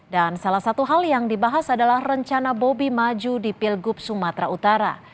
dan salah satu hal yang dibahas adalah rencana bobi maju di pilgub sumatera utara